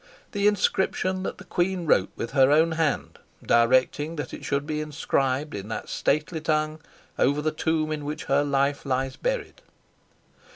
the inscription that the queen wrote with her own hand, directing that it should be inscribed in that stately tongue over the tomb in which her life lies buried.